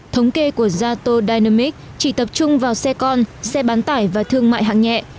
thống kê của zato dinamics chỉ tập trung vào xe con xe bán tải và thương mại hạng nhẹ